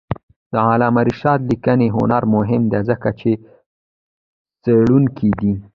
د علامه رشاد لیکنی هنر مهم دی ځکه چې څېړونکی دی.